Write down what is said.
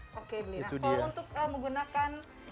oke kalau untuk menggunakan